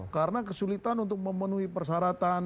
karena kesulitan untuk memenuhi persyaratan